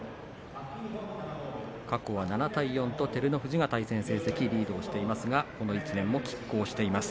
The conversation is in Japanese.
過去７対４と照ノ富士が対戦成績、リードしていますがこの１年も、きっ抗しています。